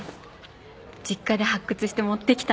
実家で発掘して持ってきたの。